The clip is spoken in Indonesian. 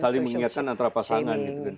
dan saling mengingatkan antara pasangan gitu